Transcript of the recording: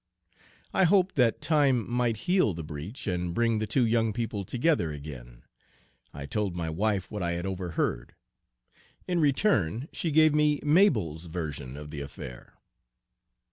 Page 198 I hoped that time might heal the breach and bring the two young people together again. I told my wife what I had overheard. In return she gave me Mabel's version of the affair.